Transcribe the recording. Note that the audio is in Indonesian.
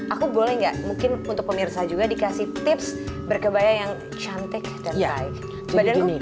aku boleh nggak mungkin untuk pemirsa juga dikasih tips berkebaya yang cantik dan baik badanku